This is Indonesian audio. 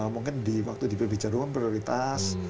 mungkin di waktu di pebicaraan ruang prioritas